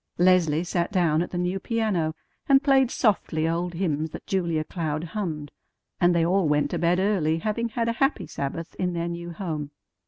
Leslie sat down at the new piano, and played softly old hymns that Julia Cloud hummed; and they all went to bed early, having had a happy Sabbath in their new home.